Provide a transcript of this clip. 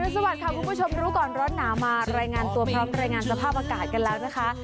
สวัสดีค่ะคุณผู้ชมรู้ก่อนร้อนหนาวมารายงานตัวพร้อมรายงานสภาพอากาศกันแล้วนะคะ